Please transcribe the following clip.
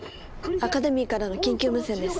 アカデミーからの緊急無線です。